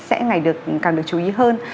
sẽ ngày được càng được chú ý hơn